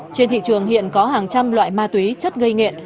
trên thị trường hiện có hàng trăm loại ma túy chất gây nghiện